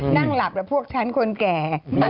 นั่งหลับกับพวกฉันคนแก่